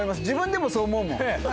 自分でもそう思うもん。